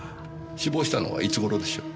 死亡したのはいつ頃でしょう？